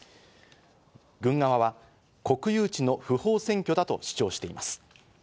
軍側は国有地の不法占拠だと主張しています。